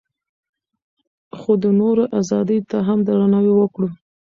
خو د نورو ازادۍ ته هم درناوی وکړو.